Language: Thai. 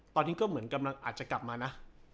ตอนนี้ก็เหมือนกำลังอาจจะกลับมานะ